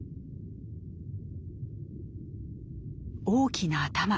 大きな頭。